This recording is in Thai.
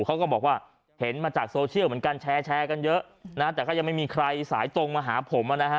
เขาก็บอกว่าเห็นมาจากโซเชียลเหมือนกันแชร์แชร์กันเยอะนะแต่ก็ยังไม่มีใครสายตรงมาหาผมอ่ะนะฮะ